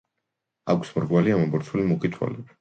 აქვს მრგვალი, ამობურცული, მუქი თვალები.